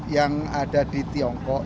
yang ada di tiongkok